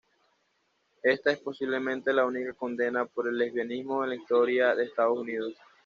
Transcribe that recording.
Esta es posiblemente la única condena por lesbianismo en la historia de Estados Unidos.